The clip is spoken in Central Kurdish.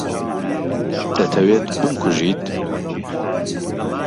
دەتەوێت بمکوژیت؟